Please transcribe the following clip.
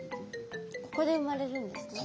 ここで生まれるんですね。